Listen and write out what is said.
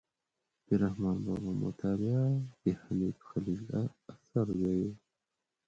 د رحمان بابا مطالعه د حنیف خلیل اثر دی.